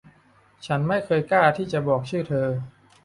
ฉันไม่เคยกล้าที่จะบอกชื่อเธอ